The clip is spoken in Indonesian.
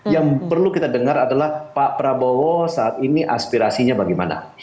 yang perlu kita dengar adalah pak prabowo saat ini aspirasinya bagaimana